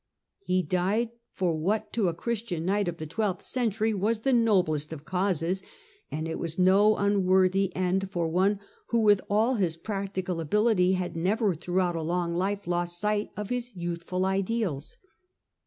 He died for what, to a Christian knight of the twelfth century, was the noblest of causes, and it was no unworthy end for one who, with all his practical ability, had never, throughout a long life, lost sight of his youthful ideals.